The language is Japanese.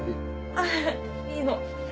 ああいいの。